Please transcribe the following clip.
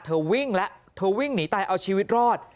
วิ่งแล้วเธอวิ่งหนีตายเอาชีวิตรอด